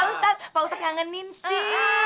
ustadz pak ustadz kangenin sih